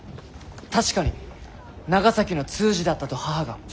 確かに長崎の通詞だったと母が。